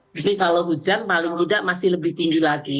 tapi kalau hujan paling tidak masih lebih tinggi lagi